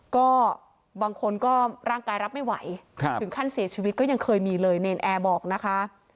ก็บางคนก็ร่างกายรับไม่ไหวถึงขั้นเสียชีวิตก็ยังเคยมีเลยเนรนแอร์บอกนะคะ